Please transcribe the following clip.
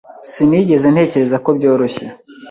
Sinigeze ntekereza ko byoroshye.